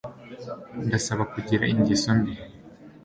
ndasaba, kugira ingeso mbi